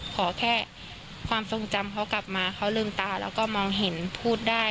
ขอแค่ความทรงจำเขากลับมาเขาลืมตาแล้วก็มองเห็นพูดได้